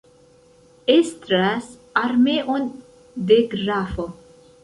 Estras armeon de grafo.